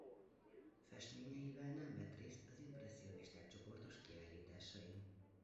Festményeivel nem vett részt az impresszionisták csoportos kiállításain.